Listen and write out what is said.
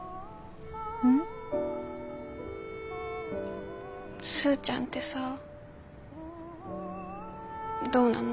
ん？スーちゃんってさどうなの？